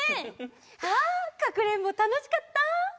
ああかくれんぼたのしかった。